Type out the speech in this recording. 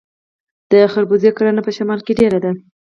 د خربوزې کرنه په شمال کې ډیره ده.